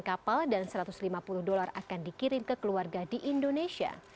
satu ratus lima puluh dolar akan dikirim ke keluarga di indonesia